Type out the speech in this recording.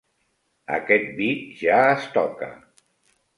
Aquest vi ja es toca.